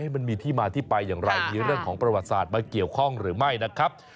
มันมีที่มาที่ไปอย่างไรมีเรื่องของประวัติศาสตร์มาเกี่ยวข้องหรือไม่นะครับ